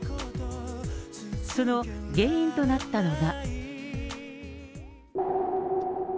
その原因となったのが。